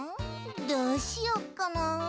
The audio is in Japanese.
どうしよっかな。